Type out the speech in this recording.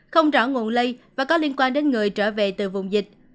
không rõ nguồn lây và có liên quan đến người trở về từ vùng dịch